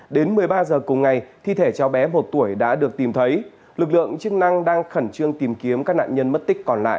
đến một mươi ba h cùng ngày thi thể cháu bé một tuổi đã được tìm thấy lực lượng chức năng đang khẩn trương tìm kiếm các nạn nhân mất tích còn lại